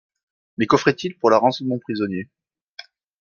Mais qu’offrait-il pour la rançon de mon prisonnier?